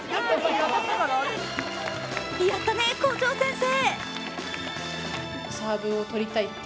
やったね、校長先生！